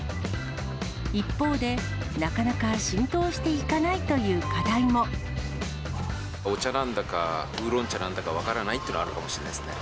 一方で、なかなか浸透していかなお茶なんだか、ウーロン茶なんだか分からないっていうのはあるかもしれないですね。